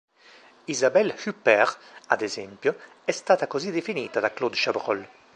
Isabelle Huppert, ad esempio, è stata così definita da Claude Chabrol.